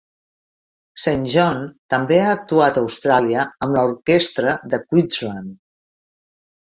Saint John també ha actuat a Austràlia amb l'orquestra de Queensland.